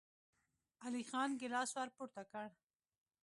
علی خان ګيلاس ور پورته کړ.